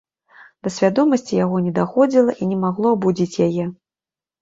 Да свядомасці яго не даходзіла і не магло абудзіць яе.